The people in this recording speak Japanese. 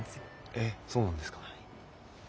えっそうなんですか。